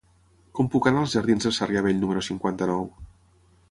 Com puc anar als jardins de Sarrià Vell número cinquanta-nou?